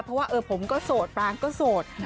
เพราะว่าผมก็โสดปรางก็โสด